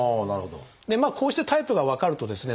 こうしてタイプが分かるとですね